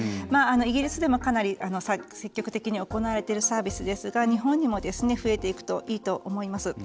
イギリスでも、かなり積極的に行われているサービスですが日本にも増えていくといいと思います。